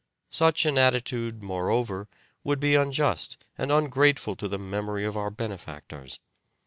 Such an attitude, moreover, would be unjust and ungrateful to the memory of our benefactors.